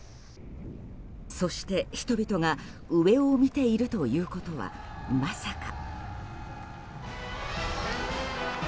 そして、人々が上を見ているということはまさか。